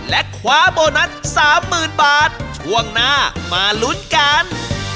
และคว้าโบนัสสามหมื่นบาทช่วงหน้ามาลุ้นกัน